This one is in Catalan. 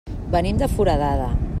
Venim de Foradada.